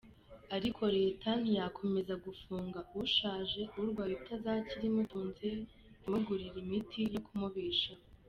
Ariko Leta ntiyakomeza gufunga ushaje, urwaye utazakira imutunze, imugurira imiti yo kumubeshaho.